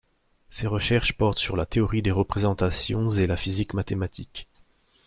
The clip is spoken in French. Ses recherches portent sur la théorie des représentations et la physique mathématique.